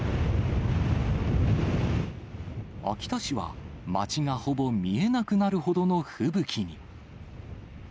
秋田市は、街がほぼ見えなくなるほどの吹雪に。